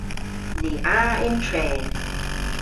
Ni a yn tren.